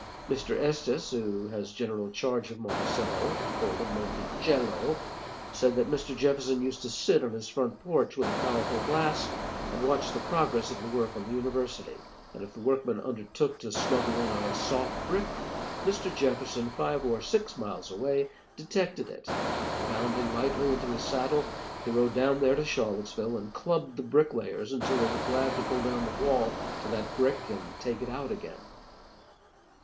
Mr. Estes, who has general charge of Monticello called Montechello said that Mr. Jefferson used to sit on his front porch with a powerful glass, and watch the progress of the work on the University, and if the workmen undertook to smuggle in a soft brick, Mr. Jefferson, five or six miles away, detected it, and bounding lightly into his saddle, he rode down there to Charlottesville, and clubbed the bricklayers until they were glad to pull down the wall to that brick and take it out again.